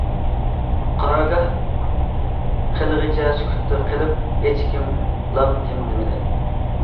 قارارگاھ خېلىغىچە سۈكۈتتە قېلىپ ھېچكىم لام-جىم دېمىدى.